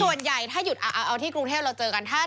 ค่ำกลางคืนอยู่ดูก็มีคือส่วนใหญ่ถ้าหยุดอ๋อที่กรุงเทพฯเราเจอกัน